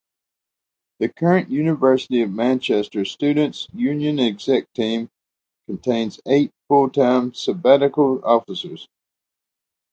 The current University of Manchester Students' Union Exec Team contains eight full-time sabbatical officers.